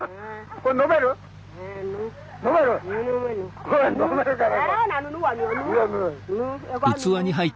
これ飲めるかな？